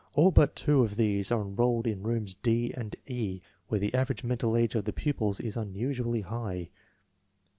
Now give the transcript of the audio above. All but 2 of these are enrolled in rooms D and E, where the average mental age of the pupils is unusually high.